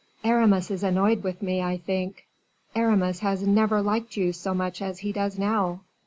"Aramis is annoyed with me, I think." "Aramis has never liked you so much as he does now.